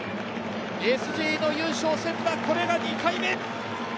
ＳＧの優勝戦はこれが２回目。